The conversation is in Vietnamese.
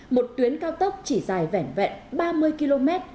một tuyến cao tốc chỉ dài vẻn vẹn ba mươi km